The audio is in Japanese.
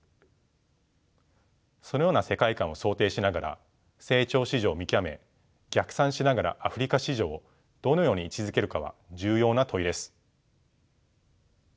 そのような世界観を想定しながら成長市場を見極め逆算しながらアフリカ市場をどのように位置づけるかは重要な問いです。